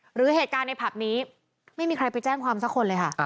หรือเหตุการณ์ในผับนี้ไม่มีใครไปแจ้งความสักคนเลยค่ะ